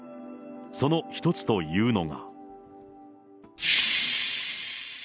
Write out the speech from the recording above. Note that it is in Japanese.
その１つというのが。